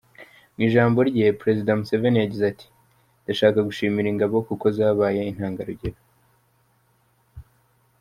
Mu ijambo rye Perezida Museveni yagize ati : “Ndashaka gushimira ingabo kuko zabaye intangarugero.